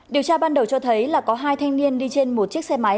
điều tra ban đầu cho thấy là có hai thanh niên đi trên một chiếc xe máy